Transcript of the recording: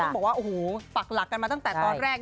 บอกว่าโอ้โหปักหลักกันมาตั้งแต่ตอนแรก